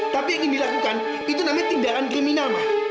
tapi yang dilakukan itu namanya tindakan kriminal ma